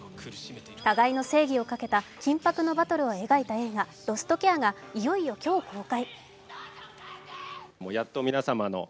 互いの正義をかけた緊迫のバトルを描いた映画「ロストケア」がいよいよ今日公開。